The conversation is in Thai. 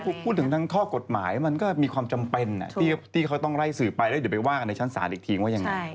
พอพูดถึงทั้งข้อกฎหมายมันก็มีความจำเป็นที่เขาต้องไล่สื่อไปแล้วเดี๋ยวไปว่ากันในชั้นศาลอีกทีว่ายังไง